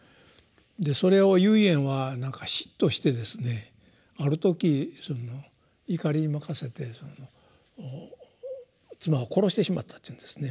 でそれを唯円はなんか嫉妬してですねある時怒りに任せて妻を殺してしまったっていうんですね。